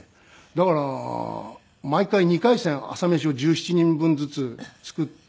だから毎回２回戦朝飯を１７人分ずつ作って。